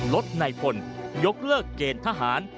ลดในพลยกเลิกเกณฑ์ทหาร